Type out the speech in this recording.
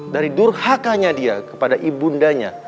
dari durhakannya dia kepada ibundanya